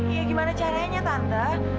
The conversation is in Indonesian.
ya gimana caranya tante